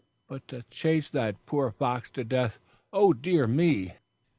But to chase that poor fox to death O dear me!"